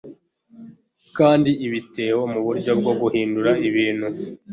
Kandi ubiteho muburyo bwo guhindura ibintu